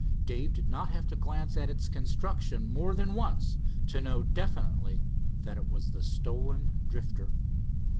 Dave did not have to glance at its construction more than once to know definitely that it was the stolen Drifter.